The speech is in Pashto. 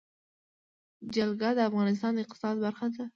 جلګه د افغانستان د اقتصاد برخه ده.